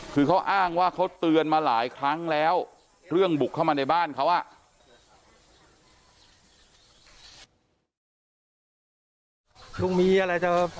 คือเขาอ้างว่าเขาเตือนมาหลายครั้งแล้วเรื่องบุกเข้ามาในบ้านเขาอ่ะ